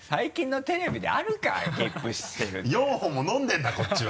４本も飲んでるんだこっちは。